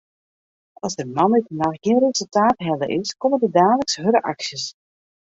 As der moandeitenacht gjin resultaat helle is, komme der daliks hurde aksjes.